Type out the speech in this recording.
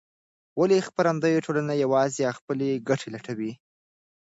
ولې خپرندویه ټولنې یوازې خپلې ګټې لټوي؟